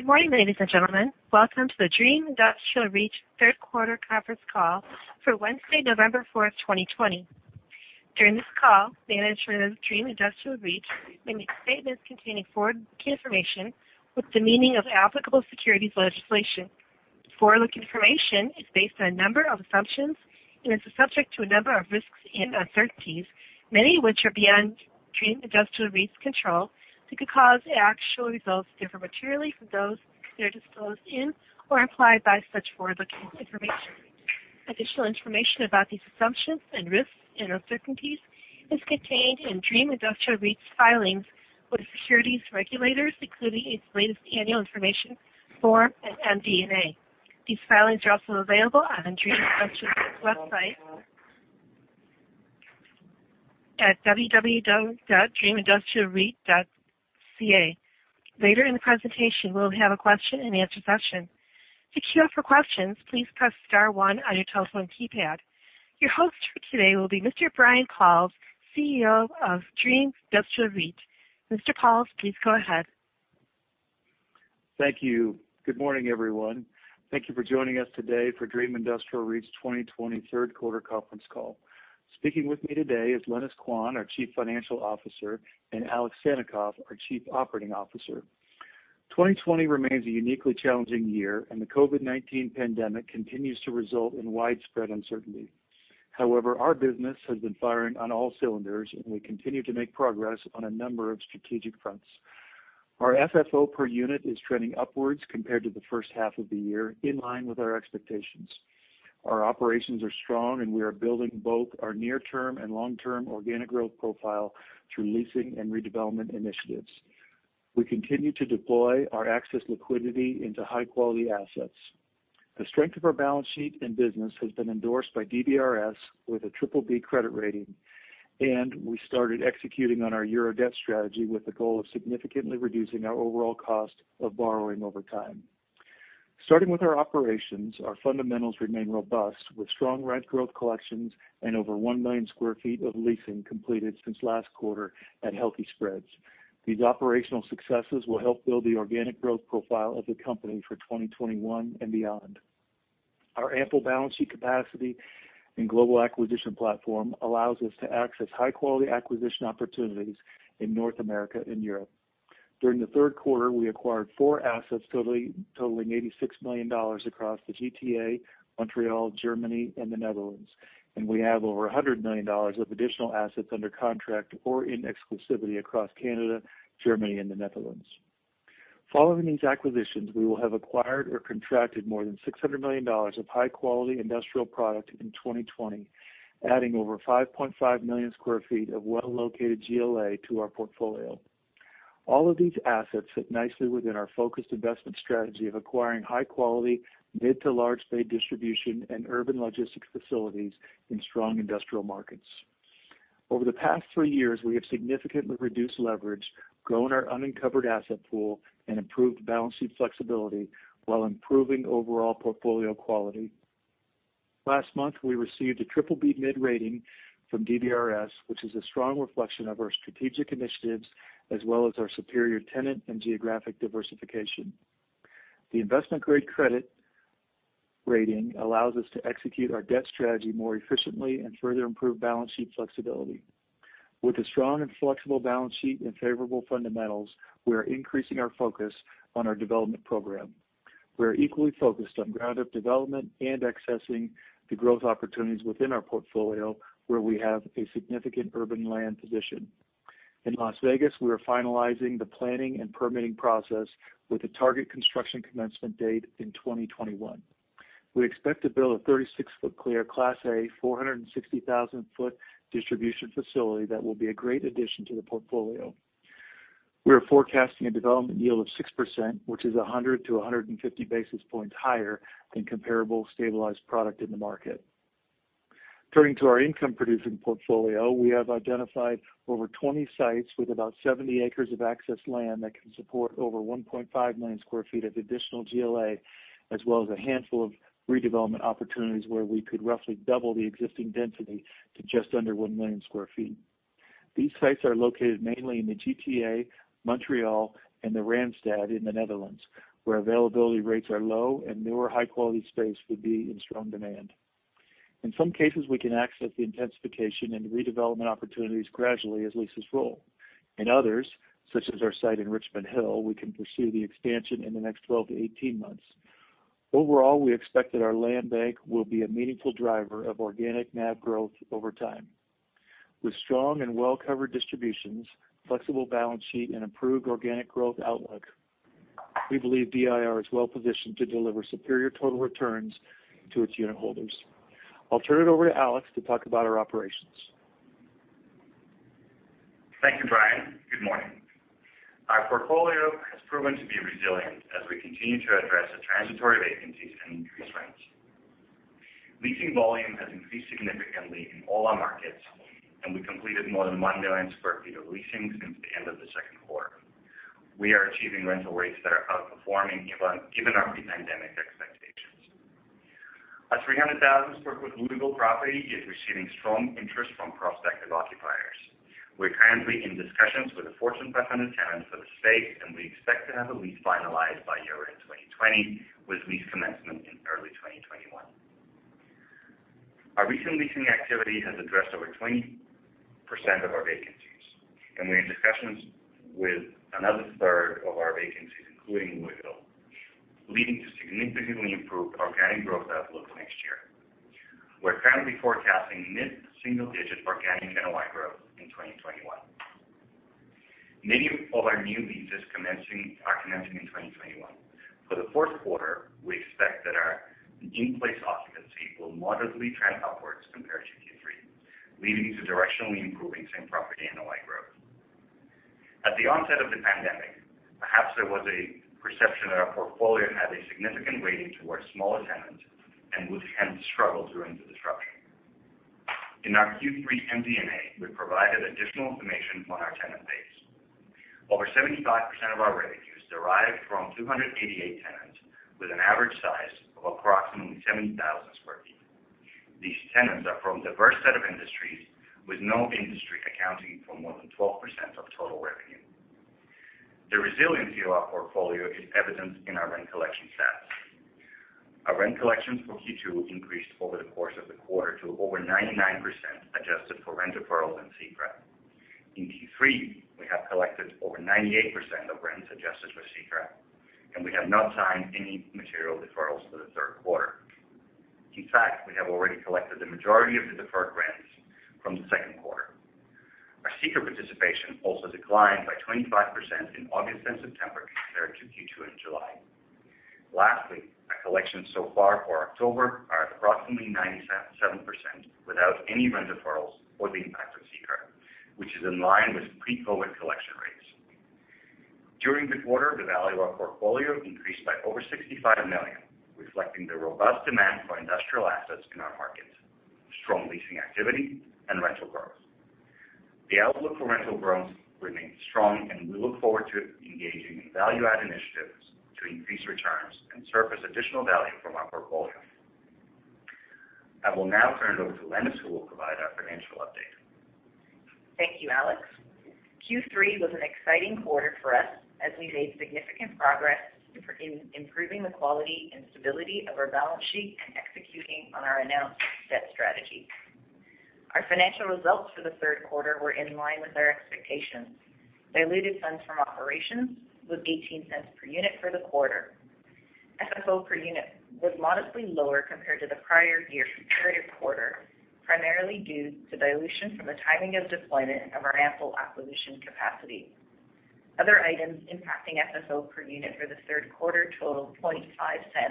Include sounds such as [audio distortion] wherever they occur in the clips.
Good morning, ladies and gentlemen. Welcome to the Dream Industrial REIT third quarter conference call for Wednesday, November 4, 2020. During this call, management of Dream Industrial REIT may make statements containing forward-looking information with the meaning of applicable securities legislation. Forward-looking information is based on a number of assumptions and is subject to a number of risks and uncertainties, many of which are beyond Dream Industrial REIT's control, that could cause the actual results to differ materially from those considered disclosed in or implied by such forward-looking information. Additional information about these assumptions and risks and uncertainties is contained in Dream Industrial REIT's filings with securities regulators, including its latest annual information form and MD&A. These filings are also available on Dream Industrial REIT's website at www.dreamindustrialreit.com. Later in the presentation, we'll have a question and answer session. To queue up for questions, please press star one on your telephone keypad. Your host for today will be Mr. Brian Pauls, CEO of Dream Industrial REIT. Mr. Pauls, please go ahead. Thank you. Good morning, everyone. Thank you for joining us today for Dream Industrial REIT's 2020 third quarter conference call. Speaking with me today is Lenis Quan, our Chief Financial Officer, and Alex Sannikov, our Chief Operating Officer. 2020 remains a uniquely challenging year, and the COVID-19 pandemic continues to result in widespread uncertainty. However, our business has been firing on all cylinders, and we continue to make progress on a number of strategic fronts. Our FFO per unit is trending upwards compared to the first half of the year, in line with our expectations. Our operations are strong, and we are building both our near-term and long-term organic growth profile through leasing and redevelopment initiatives. We continue to deploy our excess liquidity into high-quality assets. The strength of our balance sheet and business has been endorsed by DBRS with a BBB credit rating. We started executing on our euro debt strategy with the goal of significantly reducing our overall cost of borrowing over time. Starting with our operations, our fundamentals remain robust with strong rent growth collections and over 1 million square feet of leasing completed since last quarter at healthy spreads. These operational successes will help build the organic growth profile of the company for 2021 and beyond. Our ample balance sheet capacity and global acquisition platform allows us to access high-quality acquisition opportunities in North America and Europe. During the third quarter, we acquired four assets totaling 86 million dollars across the GTA, Montreal, Germany, and the Netherlands. We have over 100 million dollars of additional assets under contract or in exclusivity across Canada, Germany, and the Netherlands. Following these acquisitions, we will have acquired or contracted more than 600 million dollars of high-quality industrial product in 2020, adding over 5.5 million square feet of well-located GLA to our portfolio. All of these assets fit nicely within our focused investment strategy of acquiring high-quality, mid to large bay distribution and urban logistics facilities in strong industrial markets. Over the past three years, we have significantly reduced leverage, grown our uncovered asset pool, and improved balance sheet flexibility while improving overall portfolio quality. Last month, we received a BBB mid rating from DBRS, which is a strong reflection of our strategic initiatives as well as our superior tenant and geographic diversification. The investment-grade credit rating allows us to execute our debt strategy more efficiently and further improve balance sheet flexibility. With a strong and flexible balance sheet and favorable fundamentals, we are increasing our focus on our development program. We are equally focused on ground-up development and accessing the growth opportunities within our portfolio where we have a significant urban land position. In Las Vegas, we are finalizing the planning and permitting process with a target construction commencement date in 2021. We expect to build a 36-ft clear Class A 460,000-ft distribution facility that will be a great addition to the portfolio. We are forecasting a development yield of 6%, which is 100 to 150 basis points higher than comparable stabilized product in the market. Turning to our income-producing portfolio, we have identified over 20 sites with about 70 acres of excess land that can support over 1.5 million square feet of additional GLA, as well as a handful of redevelopment opportunities where we could roughly double the existing density to just under 1 million square feet. These sites are located mainly in the GTA, Montreal, and the Randstad in the Netherlands, where availability rates are low and newer high-quality space would be in strong demand. In some cases, we can access the intensification and redevelopment opportunities gradually as leases roll. In others, such as our site in Richmond Hill, we can pursue the expansion in the next 12-18 months. Overall, we expect that our land bank will be a meaningful driver of organic NAV growth over time. With strong and well-covered distributions, flexible balance sheet, and improved organic growth outlook, we believe DIR is well positioned to deliver superior total returns to its unitholders. I'll turn it over to Alex to talk about our operations. Thank you, Brian. Good morning. Our portfolio has proven to be resilient as we continue to address the transitory vacancies and increased rents. Leasing volume has increased significantly in all our markets, and we completed more than 1 million square feet of leasing since the end of the second quarter. We are achieving rental rates that are outperforming given our pre-pandemic expectations. 300,000 sq ft Louisville property is receiving strong interest from prospective occupiers. We're currently in discussions with a Fortune 500 tenant for the space, and we expect to have a lease finalized by year-end 2020, with lease commencement in early 2021. Our recent leasing activity has addressed over 20% of our vacancies, and we're in discussions with another third of our vacancies, including Louisville, leading to significantly improved organic growth outlook next year. We're currently forecasting mid-single digit organic NOI growth in 2021. Many of our new leases are commencing in 2021. For the fourth quarter, we expect that our in-place occupancy will moderately trend upwards compared to Q3, leading to directionally improving same-property NOI growth. At the onset of the pandemic, perhaps there was a perception that our portfolio had a significant weighting towards smaller tenants and would hence struggle during the disruption. In our Q3 MD&A, we provided additional information on our tenant base. Over 75% of our revenues derive from 288 tenants with an average size of approximately 70,000 sq ft. These tenants are from a diverse set of industries, with no industry accounting for more than 12% of total revenue. The resiliency of our portfolio is evident in our rent collection stats. Our rent collections for Q2 increased over the course of the quarter to over 99%, adjusted for rent deferrals and CECRA. In Q3, we have collected over 98% of rents, adjusted for CECRA, and we have not signed any material deferrals for the third quarter. In fact, we have already collected the majority of the deferred rents from the second quarter. Our CECRA participation also declined by 25% in August and September compared to Q2 and July. Lastly, our collections so far for October are at approximately 97% without any rent deferrals or the impact of CECRA, which is in line with pre-COVID-19 collection rates. During the quarter, the value of our portfolio increased by over 65 million, reflecting the robust demand for industrial assets in our market, strong leasing activity, and rental growth. The outlook for rental growth remains strong, and we look forward to engaging in value-add initiatives to increase returns and surface additional value from our portfolio. I will now turn it over to Lenis, who will provide our financial update. Thank you, Alex. Q3 was an exciting quarter for us as we made significant progress in improving the quality and stability of our balance sheet and executing on our announced debt strategy. Our financial results for the third quarter were in line with our expectations. Diluted funds from operations was 0.18 per unit for the quarter. FFO per unit was modestly lower compared to the prior year comparative quarter, primarily due to dilution from the timing of deployment of our ample acquisition capacity. Other items impacting FFO per unit for the third quarter totaled 0.25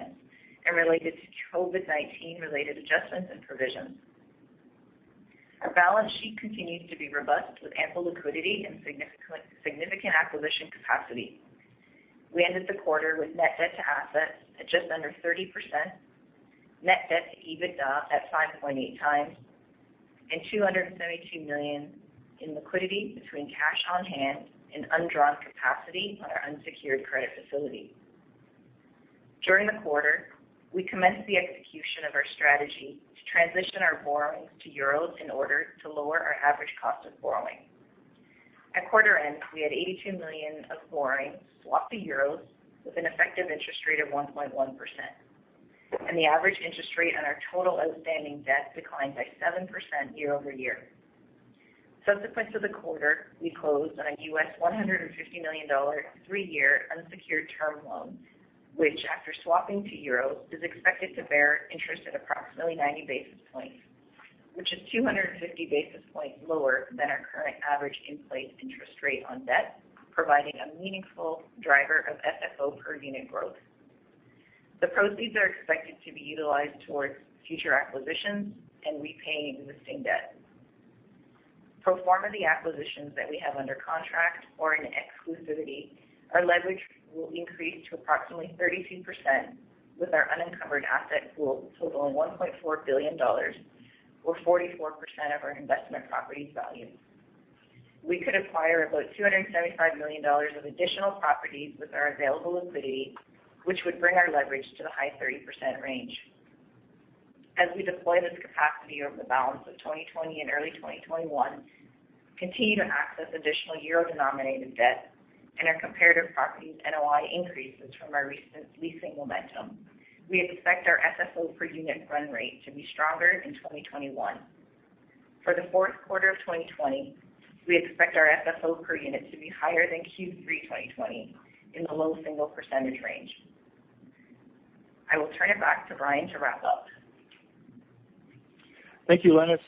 and related to COVID-19 related adjustments and provisions. Our balance sheet continues to be robust with ample liquidity and significant acquisition capacity. We ended the quarter with net debt to assets at just under 30%, net debt to EBITDA at 5.8x, and 272 million in liquidity between cash on hand and undrawn capacity on our unsecured credit facility. During the quarter, we commenced the execution of our strategy to transition our borrowings to euros in order to lower our average cost of borrowing. At quarter end, we had 82 million of borrowings swapped to euros with an effective interest rate of 1.1%, and the average interest rate on our total outstanding debt declined by 7% year-over-year. Subsequent to the quarter, we closed on a US $150 million three-year unsecured term loan, which, after swapping to euros, is expected to bear interest at approximately 90 basis points, which is 250 basis points lower than our current average in-place interest rate on debt, providing a meaningful driver of FFO per unit growth. The proceeds are expected to be utilized towards future acquisitions and repaying existing debt. Pro forma the acquisitions that we have under contract or in exclusivity, our leverage will increase to approximately 32% with our unencumbered asset pool totaling 1.4 billion dollars, or 44% of our investment property value. We could acquire about 275 million dollars of additional properties with our available liquidity, which would bring our leverage to the high 30% range. As we deploy this capacity over the balance of 2020 and early 2021, continue to access additional euro-denominated debt, and our comparative properties NOI increases from our recent leasing momentum, we expect our FFO per unit run rate to be stronger in 2021. For the fourth quarter of 2020, we expect our FFO per unit to be higher than Q3 2020 in the low single percentage range. I will turn it back to Brian to wrap up. Thank you, Lenis.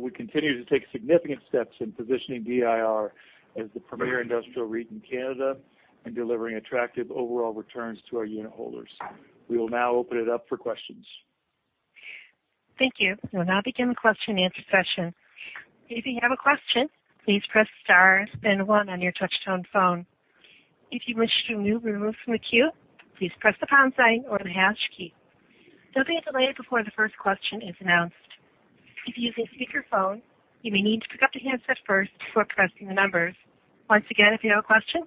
We continue to take significant steps in positioning DIR as the premier industrial REIT in Canada and delivering attractive overall returns to our unit holders. We will now open it up for questions. Thank you. We'll now begin the question and answer session. If you have a question, please press star then one on your touch-tone phone. If you wish to remove or remove from the queue, please press the pound sign or the hash key. There'll be a delay before the first question is announced. If you're using speakerphone, you may need to pick up the handset first before pressing the numbers. Once again, if you have a question,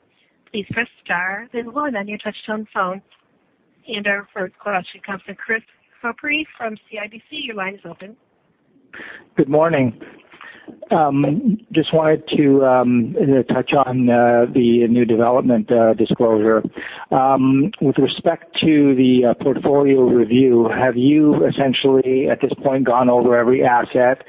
please press star then the one on your touch-tone phone. Our first question comes from Chris Couprie from CIBC. Your line is open. Good morning. Just wanted to touch on the new development disclosure. With respect to the portfolio review, have you essentially, at this point, gone over every asset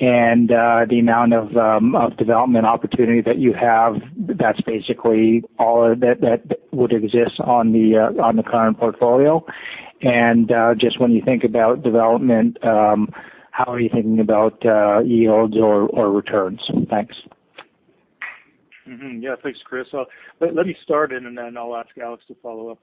and the amount of development opportunity that you have, that's basically all of that would exist on the current portfolio? Just when you think about development, how are you thinking about yields or returns? Thanks. Yeah. Thanks, Chris. Let me start it, and then I'll ask Alex to follow up.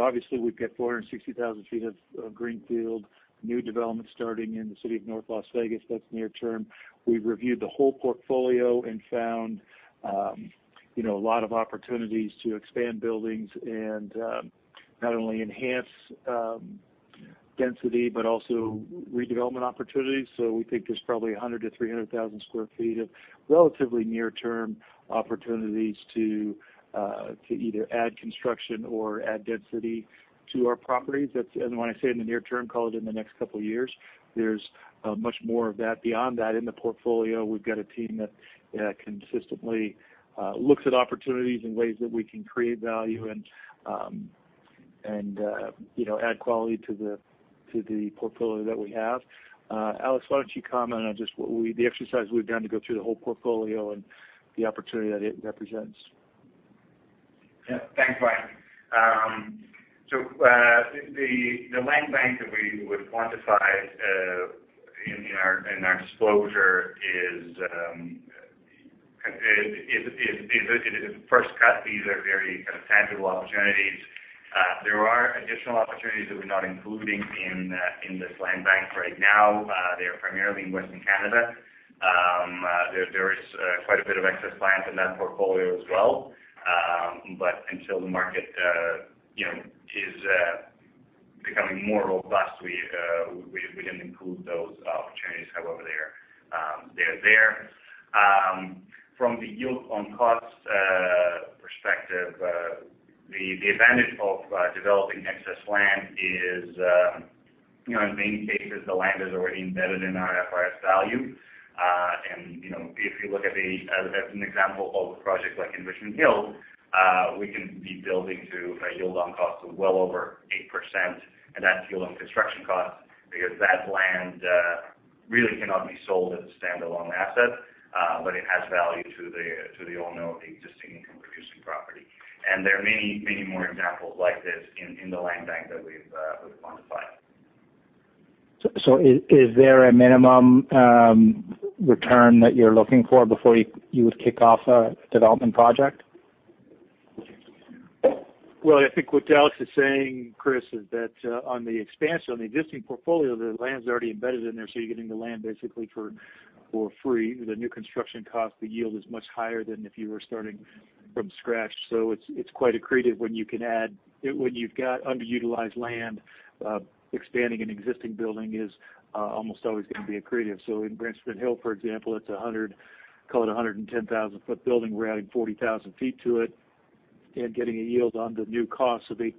Obviously, we've got 460,000 sq ft of greenfield, new development starting in the city of North Las Vegas. That's near term. We've reviewed the whole portfolio and found a lot of opportunities to expand buildings and not only enhance density but also redevelopment opportunities. We think there's probably 100,000 to 300,000 sq ft of relatively near-term opportunities to either add construction or add density to our properties. When I say in the near term, call it in the next couple of years. There's much more of that beyond that in the portfolio. We've got a team that consistently looks at opportunities and ways that we can create value and add quality to the portfolio that we have. Alex, why don't you comment on just the exercise we've done to go through the whole portfolio and the opportunity that it represents? Thanks, Brian. The land bank that we would quantify in our disclosure is, first cut, these are very tangible opportunities. There are additional opportunities that we're not including in this land bank right now. They're primarily in Western Canada. There is quite a bit of excess land in that portfolio as well. Until the market is becoming more robust, we didn't include those opportunities. However, they're there. From the yield on cost perspective, the advantage of developing excess land is, in many cases, the land is already embedded in our IFRS value. If you look at an example of a project like in Richmond Hill, we can be building to a yield on cost of well over 8%, and that's yield on construction cost, because that land really cannot be sold as a standalone asset. It has value to the owner of the existing income-producing property. There are many more examples like this in the land bank that we've quantified. Is there a minimum return that you're looking for before you would kick off a development project? I think what Alex is saying, Chris, is that on the expansion, on the existing portfolio, the land's already embedded in there, you're getting the land basically for free. The new construction cost, the yield is much higher than if you were starting from scratch. It's quite accretive when you've got underutilized land. Expanding an existing building is almost always going to be accretive. In Richmond Hill, for example, it's 100, call it 110,000-ft building. We're adding 40,000 ft to it and getting a yield on the new cost of 8%,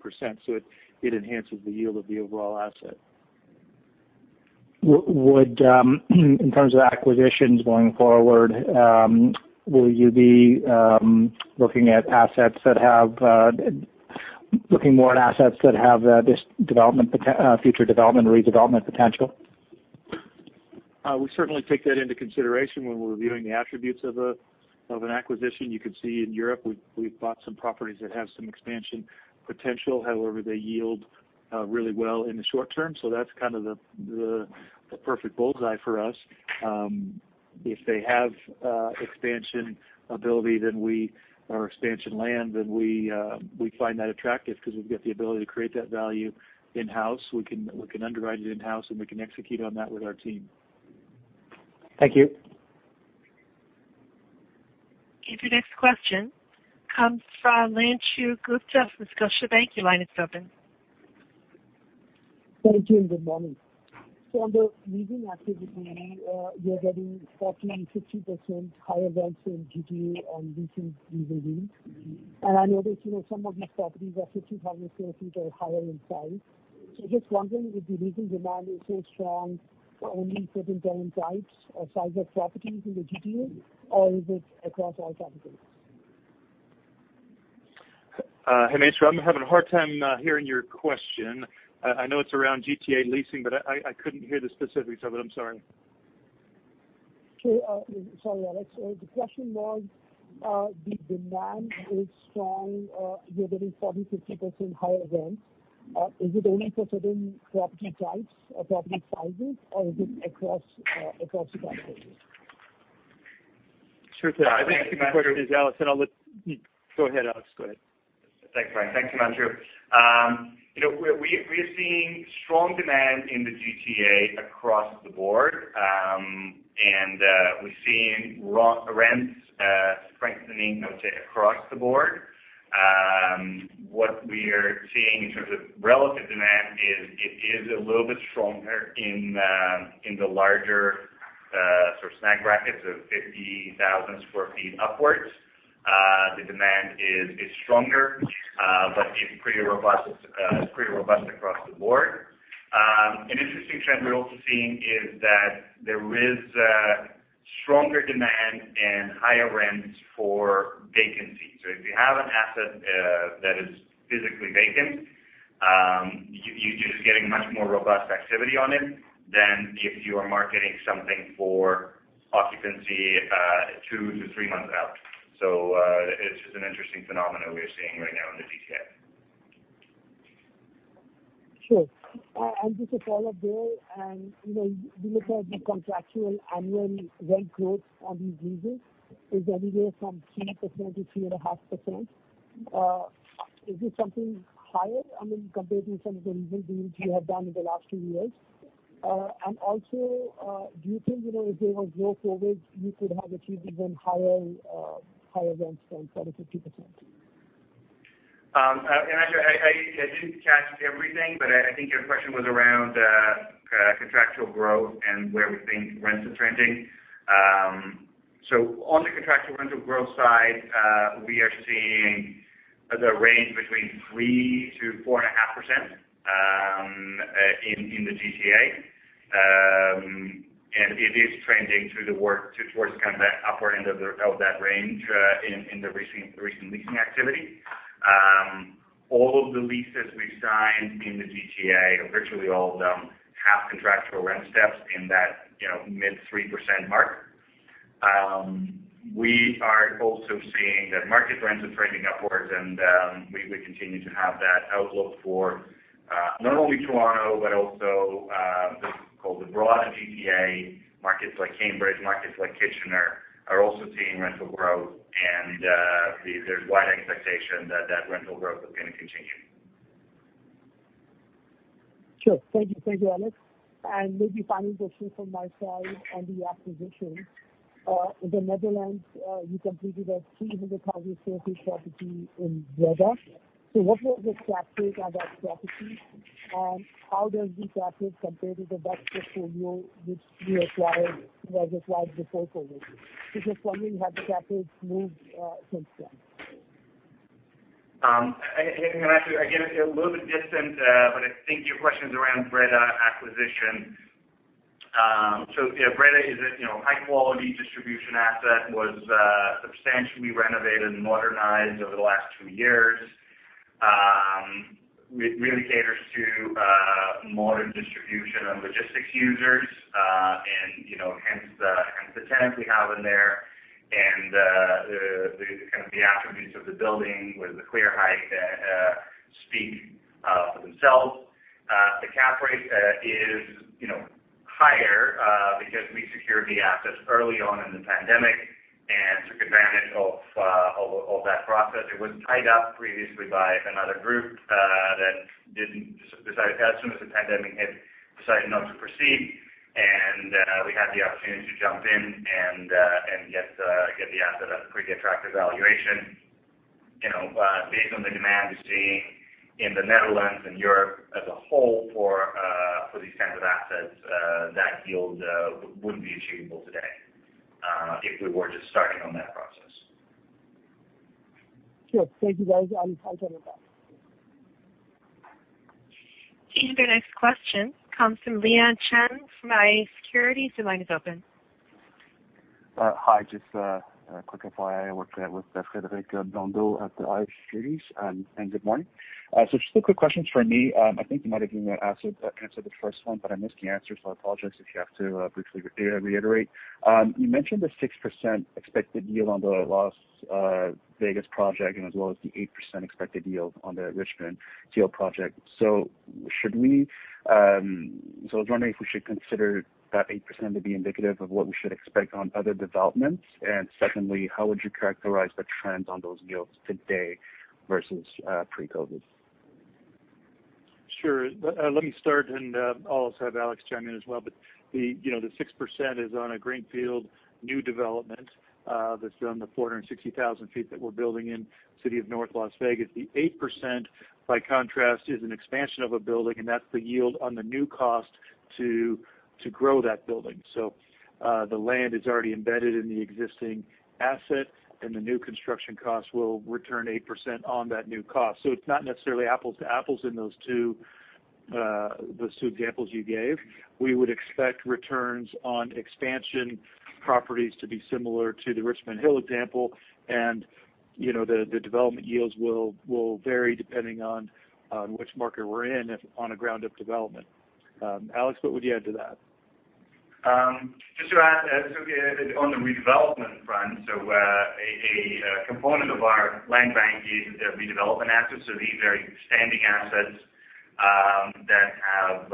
it enhances the yield of the overall asset. In terms of acquisitions going forward, will you be looking more at assets that have this future development or redevelopment potential? We certainly take that into consideration when we're reviewing the attributes of an acquisition. You could see in Europe, we've bought some properties that have some expansion potential. They yield really well in the short term, so that's kind of the perfect bullseye for us. If they have expansion ability, or expansion land, we find that attractive because we've got the ability to create that value in-house. We can underwrite it in-house, we can execute on that with our team. Thank you. Okay. The next question comes from Himanshu Gupta from Scotiabank. Your line is open. Thank you, and good morning. On the leasing activity, you're getting 40%, 50% higher rents in GTA on recent lease agreements. I noticed some of these properties are 50,000 sq ft or higher in size. Just wondering if the leasing demand is so strong for only certain tenant types or size of properties in the GTA or is it across all properties? Himanshu, I'm having a hard time hearing your question. I know it's around GTA leasing. I couldn't hear the specifics of it. I'm sorry. Okay. Sorry, Alex. The question was, the demand is strong, you're getting 40%, 50% higher rents. Is it only for certain property types or property sizes, or is it across the properties? Sure. I think the question is, Alex, and I'll let Go ahead, Alex. Thanks, Brian. Thanks, Himanshu. We are seeing strong demand in the GTA across the board. We're seeing rents strengthening across the board. What we are seeing in terms of relative demand is it is a little bit stronger in the larger sort of size brackets of 50,000 sq ft upwards. The demand is stronger, but it's pretty robust across the board. Interesting trend we're also seeing is that there is stronger demand and higher rents for vacancies. If you have an asset that is physically vacant, you're just getting much more robust activity on it than if you are marketing something for occupancy two to three months out. It's just an interesting phenomenon we are seeing right now in the GTA. Sure. Just a follow-up there, we look at the contractual annual rent growth on these leases is anywhere from 3%-3.5%. Is this something higher? I mean, compared to some of the lease deals you have done in the last two years. Also, do you think, if there was no COVID, you could have achieved even higher rent growth of 30%, 50%? Himanshu, I didn't catch everything, but I think your question was around contractual growth and where we think rents are trending. On the contractual rental growth side, we are seeing the range between 3%-4.5% in the GTA. It is trending towards the upward end of that range in the recent leasing activity. All of the leases we've signed in the GTA, virtually all of them, have contractual rent steps in that mid 3% mark. We are also seeing that market rents are trending upwards and we continue to have that outlook for not only Toronto, but also what we call the broad GTA. Markets like Cambridge, markets like Kitchener are also seeing rental growth, and there's wide expectation that that rental growth is going to continue. Sure. Thank you, Alex. Maybe final question from my side on the acquisition. In the Netherlands, you completed a 300,000 sq ft property in Breda. What was the cap rate on that property, and how does the cap rate compare to the rest portfolio which you acquired before COVID? Suddenly have the cap rates moved since then. Himanshu, again, you're a little bit distant, but I think your question is around Breda acquisition. Breda is a high-quality distribution asset, was substantially renovated and modernized over the last two years. It really caters to modern distribution and logistics users, hence the tenants we have in there. The kind of the attributes of the building with the clear height speak for themselves. The cap rate is higher because we secured the asset early on in the COVID-19 pandemic and took advantage of that process. It was tied up previously by another group that as soon as the COVID-19 pandemic hit, decided not to proceed. We had the opportunity to jump in and get the asset at a pretty attractive valuation. Based on the demand we're seeing in the Netherlands and Europe as a whole for these kinds of assets, that yield wouldn't be achievable today if we were just starting on that process. Sure. Thank you, guys. I'll turn it back. Thank you. The next question comes from [Leon Chen] from iA Securities. Your line is open. Hi, just a quick FYI, Frederic Blondeau at iA Securities. Good morning. Just two quick questions from me. I think you might have answered the first one, but I missed the answer, so I apologize if you have to briefly reiterate. You mentioned the 6% expected yield on the Las Vegas project and as well as the 8% expected yield on the Richmond Hill project. I was wondering if we should consider that 8% to be indicative of what we should expect on other developments. Secondly, how would you characterize the trends on those yields today versus pre-COVID? Sure. Let me start and I'll also have Alex chime in as well. The 6% is on a greenfield new development that's done the 460,000 sq ft that we're building in the city of North Las Vegas. The 8%, by contrast, is an expansion of a building, and that's the yield on the new cost to grow that building. The land is already embedded in the existing asset, and the new construction cost will return 8% on that new cost. It's not necessarily apples to apples in those two examples you gave. We would expect returns on expansion properties to be similar to the Richmond Hill example. The development yields will vary depending on which market we're in on a ground-up development. Alex, what would you add to that? Just to add on the redevelopment front. A component of our land bank is the redevelopment assets. These are existing assets that have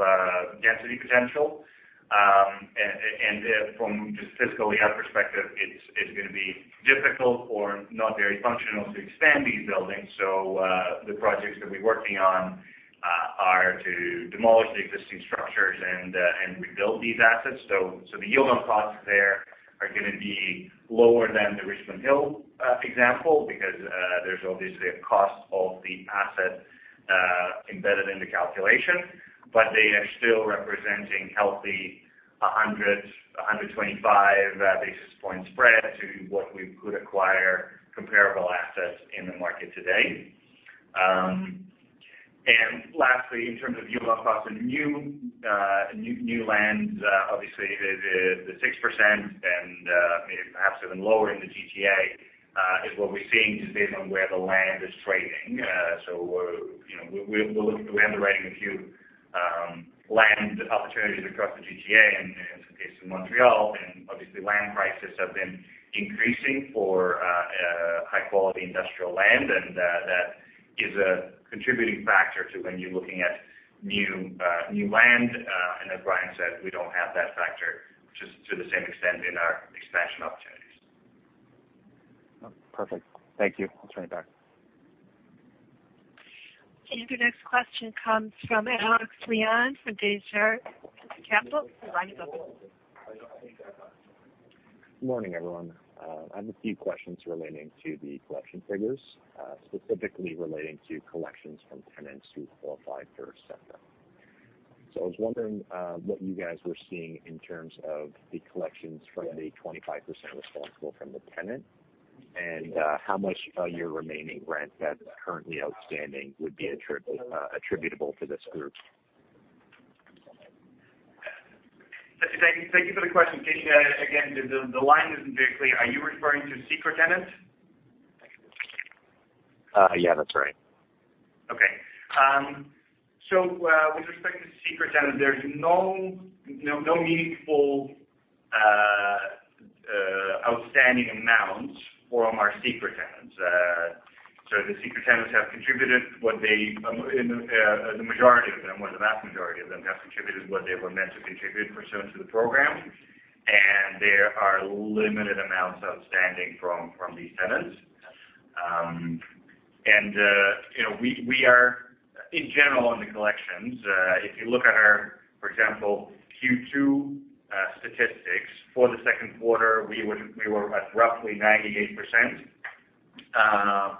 density potential. From just a physical layout perspective, it's going to be difficult or not very functional to expand these buildings. The projects that we're working on are to demolish the existing structures and rebuild these assets. The yield on costs there are going to be lower than the Richmond Hill example because there's obviously a cost of the asset embedded in the calculation. They are still representing healthy 100, 125 basis point spread to what we could acquire comparable assets in the market today. Lastly, in terms of yield on cost on new land, obviously, the 6% and perhaps even lower in the GTA is what we're seeing just based on where the land is trading. We're undertaking a few land opportunities across the GTA and in some case in Montreal. Obviously, land prices have been increasing for high-quality industrial land, and that is a contributing factor to when you're looking at new land. As Brian said, we don't have that factor just to the same extent in our expansion opportunities. Oh, perfect. Thank you. I'll turn it back. Your next question comes from Alex Leon from Desjardins Capital, the line is open. Morning, everyone. I have a few questions relating to the collection figures, specifically relating to collections from tenants who qualified for CECRA. I was wondering what you guys were seeing in terms of the collections from the 25% responsible from the tenant, and how much of your remaining rent that's currently outstanding would be attributable to this group? Thank you for the question. Again, the line isn't very clear. Are you referring to CECRA tenants? Yeah, that's right. With respect to CECRA tenants, there's no meaningful outstanding amounts from our CECRA tenants. The CECRA tenants have contributed what they, the majority of them, well, the vast majority of them, have contributed what they were meant to contribute pursuant to the program. There are limited amounts outstanding from these tenants. We are, in general, on the collections, if you look at our, for example, Q2 statistics for the second quarter, we were at roughly 98%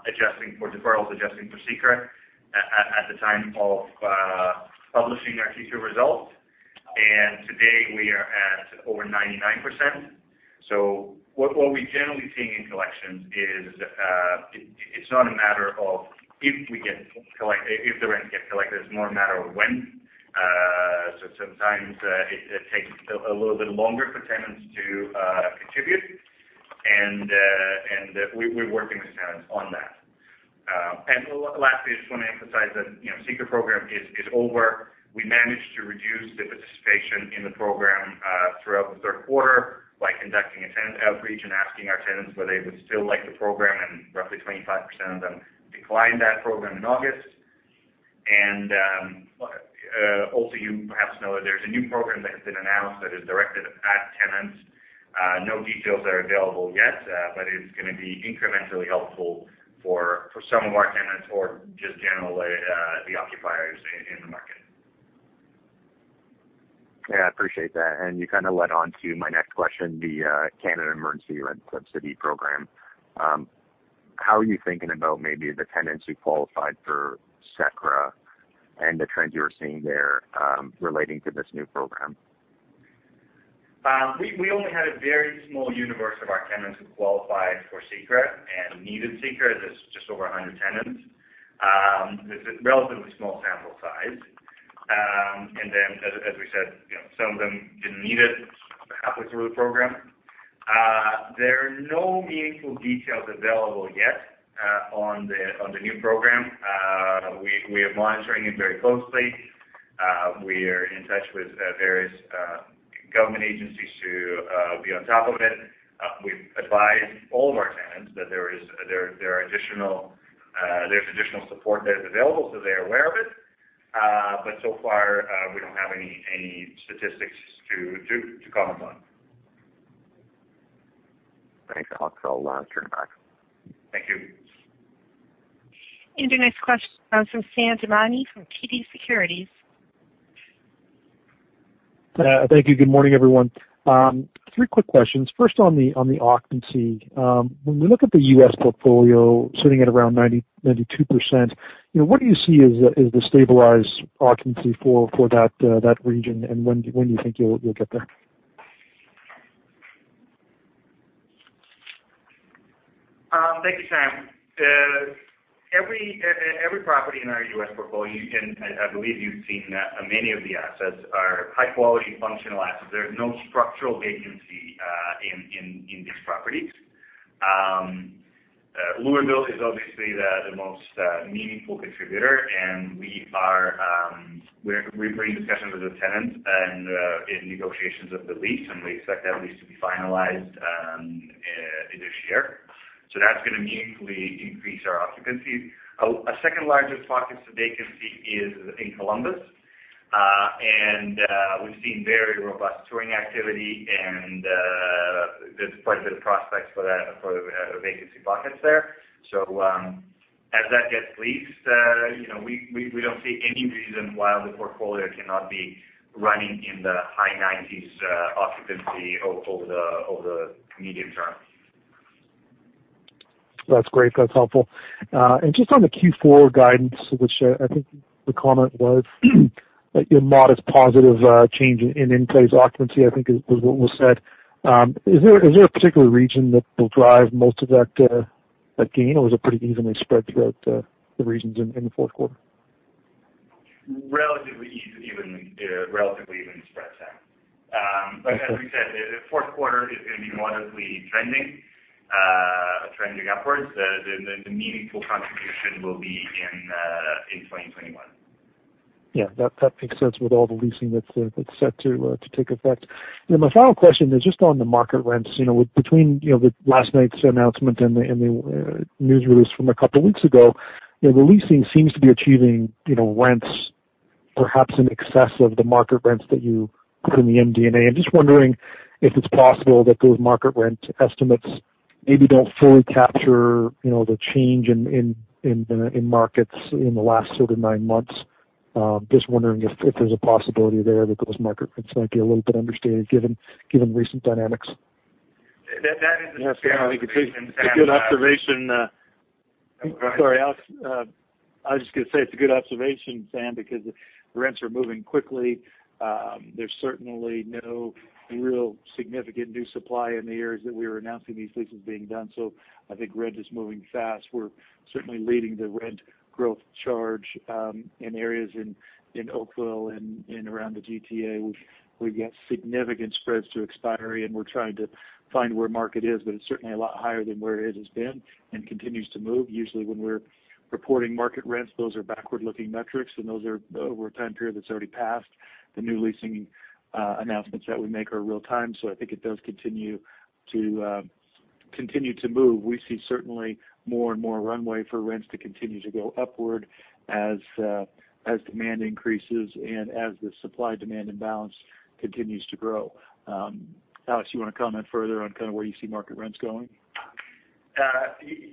adjusting for deferrals, adjusting for CECRA at the time of publishing our Q2 results. Today we are at over 99%. What we're generally seeing in collections is, it's not a matter of if the rent gets collected, it's more a matter of when. Sometimes it takes a little bit longer for tenants to contribute and we're working with tenants on that. Lastly, I just want to emphasize that CECRA program is over. We managed to reduce the participation in the program throughout the third quarter by conducting a tenant outreach and asking our tenants whether they would still like the program, and roughly 25% of them declined that program in August. Also you perhaps know that there's a new program that has been announced that is directed at tenants. No details are available yet, but it's going to be incrementally helpful for some of our tenants or just generally, the occupiers in the market. Yeah, I appreciate that. You kind of led on to my next question, the Canada Emergency Rent Subsidy program. How are you thinking about maybe the tenants who qualified for CECRA and the trends you were seeing there relating to this new program? We only had a very small universe of our tenants who qualified for CECRA and needed CECRA. There's just over 100 tenants. It's a relatively small sample size. As we said, some of them didn't need it halfway through the program. There are no meaningful details available yet on the new program. We are monitoring it very closely. We're in touch with various government agencies to be on top of it. We've advised all of our tenants that there's additional support that is available, so they're aware of it. So far, we don't have any statistics to comment on. Thanks, Alex. I'll turn it back. Thank you. Your next question comes from Sam Damiani from TD Securities. Thank you. Good morning, everyone. Three quick questions. First, on the occupancy. When we look at the U.S. portfolio sitting at around 92%, what do you see as the stabilized occupancy for that region, and when do you think you'll get there? Thank you, Sam. Every property in our U.S. portfolio, and I believe you've seen that many of the assets are high-quality functional assets. There's no structural vacancy in these properties. Louisville is obviously the most meaningful contributor, and we're in discussions with the tenants and in negotiations of the lease, and we expect that lease to be finalized this year. That's going to meaningfully increase our occupancy. A second largest pocket to vacancy is in Columbus. We've seen very robust touring activity, and there's quite a bit of prospects for vacancy buckets there. As that gets leased, we don't see any reason why the portfolio cannot be running in the high 90s occupancy over the medium term. That's great. That's helpful. Just on the Q4 guidance, which I think the comment was a modest positive change in in-place occupancy, I think is what was said. Is there a particular region that will drive most of that gain, or is it pretty evenly spread throughout the regions in the fourth quarter? Relatively even spread, Sam. As we said, the fourth quarter is going to be moderately trending upwards. The meaningful contribution will be in 2021. That makes sense with all the leasing that's set to take effect. My final question is just on the market rents. Between last night's announcement and the news release from a couple of weeks ago, the leasing seems to be achieving rents perhaps in excess of the market rents that you put in the MD&A. Wondering if it's possible that those market rent estimates maybe don't fully capture the change in markets in the last nine months. Wondering if there's a possibility there that those market rents might be a little bit understated given recent dynamics. That is- Yeah. I think it's a good observation. Go ahead. Sorry, Alex. I was just going to say it's a good observation, Sam, because rents are moving quickly. There's certainly no real significant new supply in the areas that we were announcing these leases being done. I think rent is moving fast. We're certainly leading the rent growth charge in areas in Oakville and around the GTA. We've got significant spreads to expiry, and we're trying to find where market is, but it's certainly a lot higher than where it has been and continues to move. Usually, when we're reporting market rents, those are backward-looking metrics, and those are over a time period that's already passed. The new leasing announcements that we make are real-time. I think it does continue to move. We see certainly more and more runway for rents to continue to go upward as demand increases and as the supply-demand imbalance continues to grow. Alex, you want to comment further on where you see market rents going?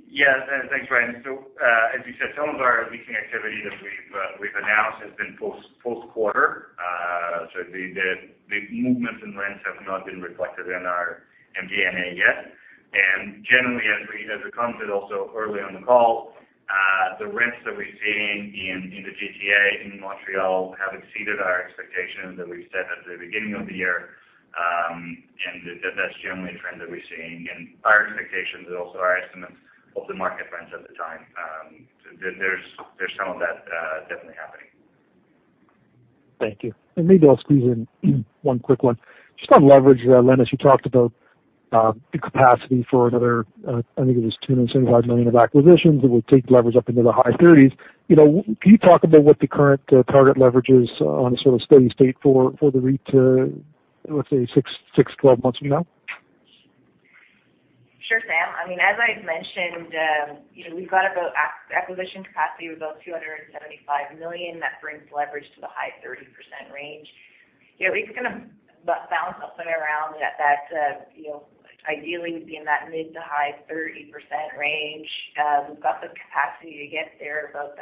Yes. Thanks, Brian. As you said, some of our leasing activity that we've announced has been post-quarter. The movements in rents have not been reflected in our MD&A yet. Generally, as we commented also early on the call, the rents that we're seeing in the GTA, in Montreal, have exceeded our expectations that we set at the beginning of the year. That's generally a trend that we're seeing in our expectations and also our estimates of the market rents at the time. There's some of that definitely happening. Thank you. Maybe I'll squeeze in one quick one. Just on leverage, Lenis, she talked about the capacity for another, I think it was 275 million of acquisitions that would take leverage up into the high 30s. Can you talk about what the current target leverage is on a steady state for the REIT, let's say, six, 12 months from now? Sure, Sam. As I've mentioned, we've got about acquisition capacity of about 275 million. That brings leverage to the high 30% range. We can bounce up and around that. Ideally, we'd be in that mid-to-high 30% range. We've got the capacity to get there, about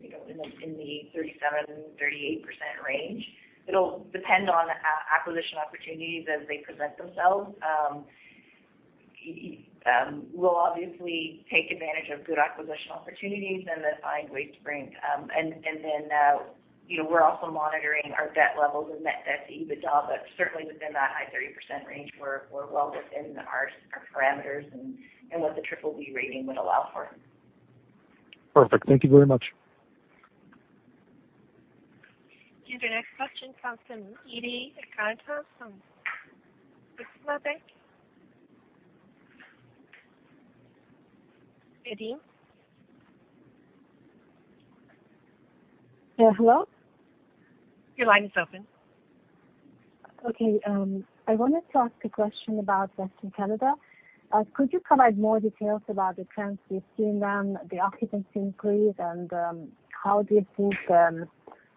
in the 37%, 38% range. It'll depend on acquisition opportunities as they present themselves and then find ways to bring. We're also monitoring our debt levels of net debt-to-EBITDA, but certainly within that high 30% range, we're well within our parameters and what the BBB rating would allow for. Perfect. Thank you very much. Your next question comes from. [audio distortion] Edie? Yeah, hello? Your line is open. Okay. I wanted to ask a question about Western Canada. Could you provide more details about the trends you're seeing there, the occupancy increase, and how do you think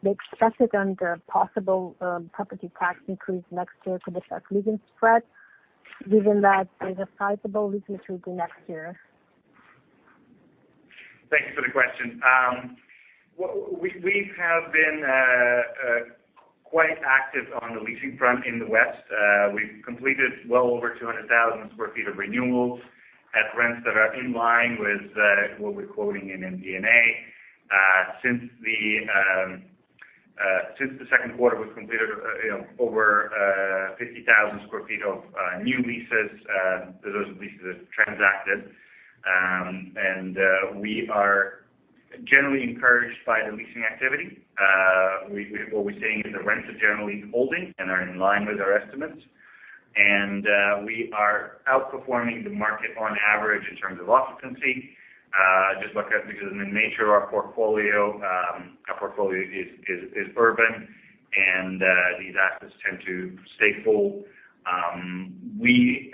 they've stressed it under possible property tax increase next year for the future leasing spread, given that there's a sizable leasing to do next year? Thanks for the question. We have been quite active on the leasing front in the West. We've completed well over 200,000 sq ft of renewals at rents that are in line with what we're quoting in MD&A. Since the second quarter, we've completed over 50,000 sq ft of new leases. Those are leases that transacted. We are generally encouraged by the leasing activity. What we're seeing is the rents are generally holding and are in line with our estimates. We are outperforming the market on average in terms of occupancy. Just because in the nature of our portfolio, our portfolio is urban, and these assets tend to stay full. We,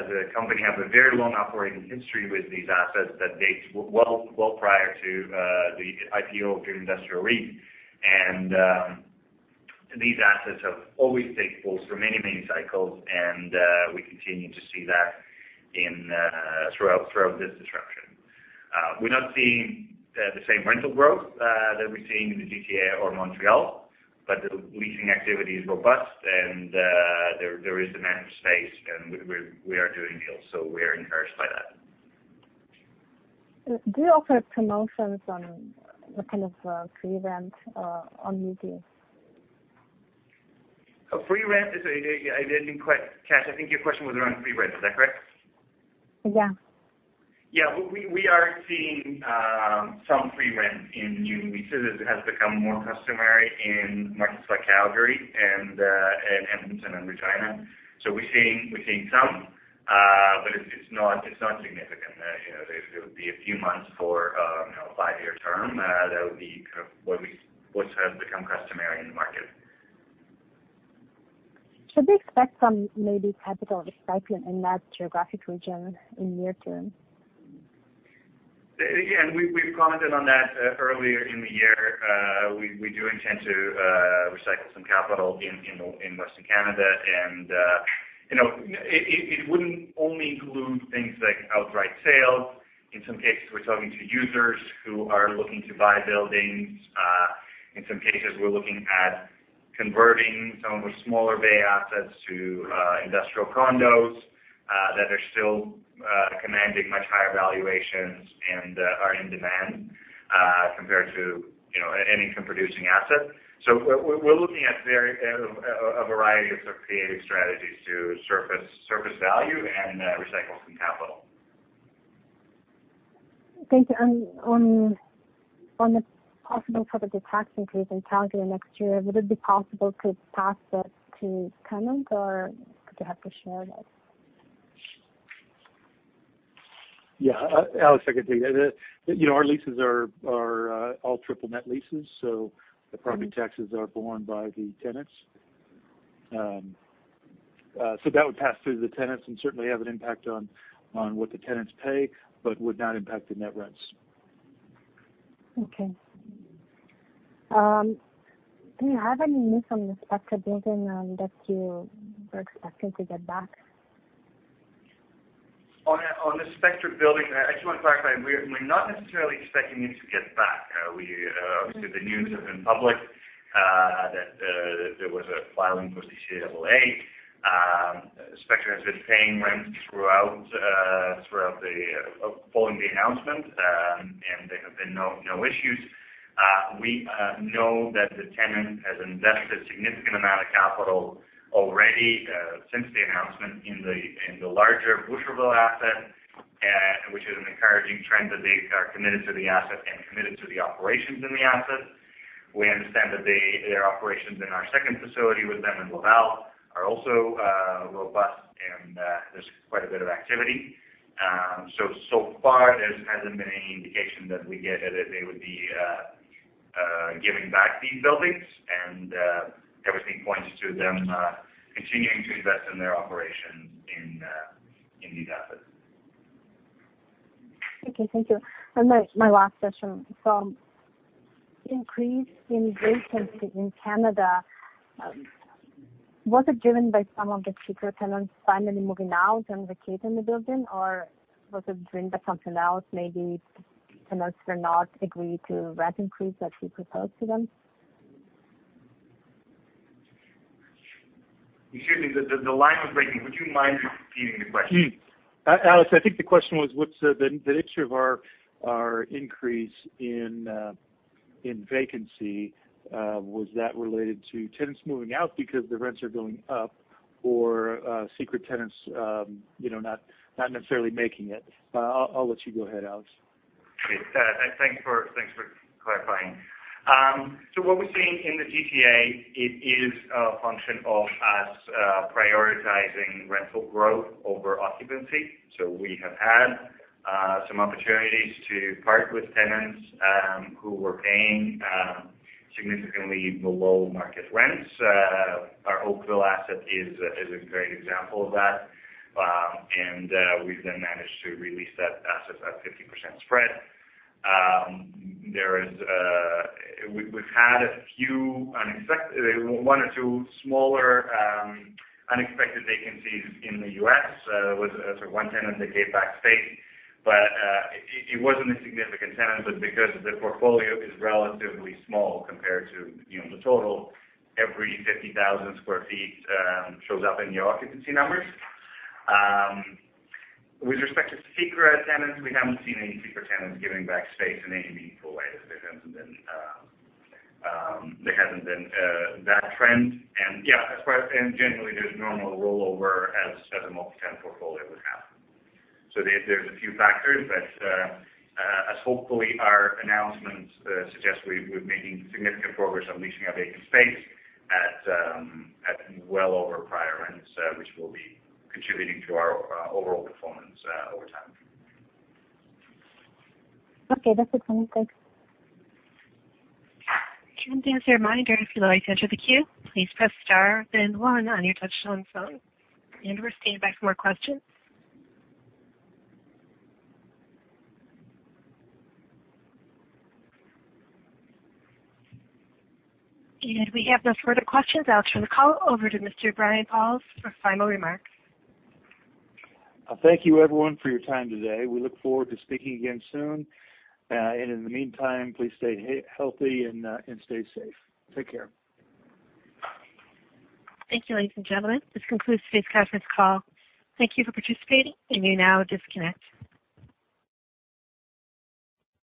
as a company, have a very long operating history with these assets that dates well prior to the IPO of Pure Industrial REIT. These assets have always stayed full through many, many cycles, and we continue to see that throughout this disruption. We're not seeing the same rental growth that we're seeing in the GTA or Montreal, but the leasing activity is robust and there is demand for space and we are doing deals, so we are encouraged by that. Do you offer promotions on the kind of free rent on new deals? Free rent? I didn't quite catch. I think your question was around free rent. Is that correct? Yeah. Yeah. We are seeing some free rent in new leases. It has become more customary in markets like Calgary and Edmonton and Regina. We're seeing some, but it's not significant. It would be a few months for a five-year term. That would be kind of what has become customary in the market. Should we expect some maybe capital recycling in that geographic region in near term? Again, we've commented on that earlier in the year. We do intend to recycle some capital in Western Canada. It wouldn't only include things like outright sales. In some cases, we're talking to users who are looking to buy buildings. In some cases, we're looking at converting some of the smaller bay assets to industrial condos that are still commanding much higher valuations and are in demand compared to any income-producing asset. We're looking at a variety of creative strategies to surface value and recycle some capital. Thank you. On the possible property tax increase in Calgary next year, would it be possible to pass that to tenants, or could you have to share that? Yeah, Alex, I could take that. Our leases are all triple net leases, so the property taxes are borne by the tenants. That would pass through the tenants and certainly have an impact on what the tenants pay but would not impact the net rents. Okay. Do you have any news on the Spectra Building that you were expecting to get back? On the Spectra Building, I just want to clarify, we're not necessarily expecting it to get back. The news has been public that there was a filing for CCAA. Spectra has been paying rent following the announcement, and there have been no issues. We know that the tenant has invested a significant amount of capital already since the announcement in the larger Boucherville asset, which is an encouraging trend that they are committed to the asset and committed to the operations in the asset. We understand that their operations in our second facility with them in Laval are also robust, and there's quite a bit of activity. So far, there hasn't been any indication that we get that they would be giving back these buildings, and everything points to them continuing to invest in their operations in these assets. Okay, thank you. My last question. Increase in vacancy in Canada, was it driven by some of the CECRA tenants finally moving out and vacating the building, or was it driven by something else? Maybe tenants did not agree to rent increase that you proposed to them? Excuse me, the line was breaking. Would you mind repeating the question? Alex, I think the question was, what's the nature of our increase in vacancy? Was that related to tenants moving out because the rents are going up or stressed tenants not necessarily making it? I'll let you go ahead, Alex. Great. Thanks for clarifying. What we're seeing in the GTA, it is a function of us prioritizing rental growth over occupancy. We have had some opportunities to part with tenants who were paying significantly below-market rents. Our Oakville asset is a great example of that. We've then managed to re-lease that asset at 50% spread. We've had one or two smaller unexpected vacancies in the U.S. with one tenant that gave back space. It wasn't a significant tenant, but because the portfolio is relatively small compared to the total, every 50,000 sq ft shows up in the occupancy numbers. With respect to Spectra Premium tenants, we haven't seen any Spectra Premium tenants giving back space in any meaningful way. There hasn't been that trend. Generally, there's normal rollover as a multi-tenant portfolio would have. There's a few factors, but as hopefully our announcements suggest, we're making significant progress on leasing our vacant space at well over prior rents, which will be contributing to our overall performance over time. Okay. That's it. Thanks. We're standing by for more questions. We have no further questions. Alex, turn the call over to Mr. Brian Pauls for final remarks. Thank you everyone for your time today. We look forward to speaking again soon. In the meantime, please stay healthy and stay safe. Take care. Thank you, ladies and gentlemen. This concludes today's conference call. Thank you for participating, and you now disconnect.